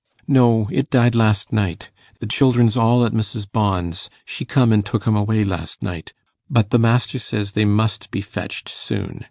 'No, it died last night. The children's all at Mrs. Bond's. She come and took 'em away last night, but the master says they must be fetched soon.